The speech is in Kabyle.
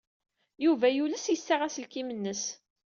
Yuba yules yessaɣ aselkim-nnes.